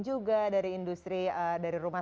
juga dari industri dari rumah